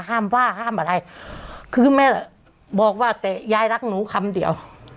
ห้ามว่าห้ามอะไรคือแม่บอกว่าแต่ยายรักหนูคำเดียว